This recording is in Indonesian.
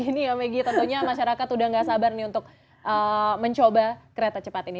apalagi tentunya masyarakat sudah tidak sabar untuk mencoba kereta cepat ini